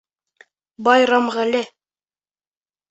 Байрамғәле.